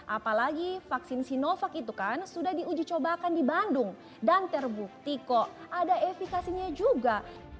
apalagi vaksin sinovac itu kan sudah diuji cobakan di bandung dan terbukti kok ada efekasinya juga